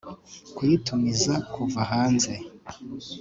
kuyitumiza kuva hanze